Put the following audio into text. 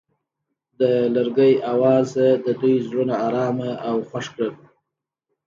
د لرګی اواز د دوی زړونه ارامه او خوښ کړل.